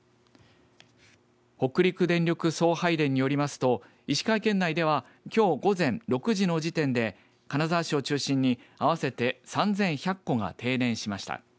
北陸電力送配電によりますと石川県内ではきょう午前６時の時点で金沢市を中心に合わせて３１００戸が停電しました。